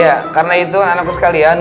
ya karena itu anak anak kalian